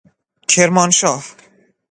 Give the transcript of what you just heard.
کرمانشاه